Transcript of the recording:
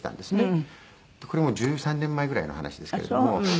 これもう１３年前ぐらいの話ですけれども。